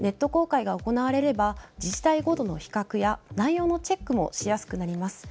ネット公開が行われれば自治体ごとの比較や内容のチェックもしやすくなります。